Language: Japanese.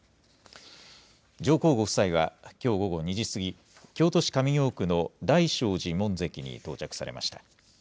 上皇ご夫妻はきょう午後２時過ぎ、京都市上京区の大聖寺門跡に到着されました。